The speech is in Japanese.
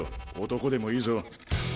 男でもいいぞ。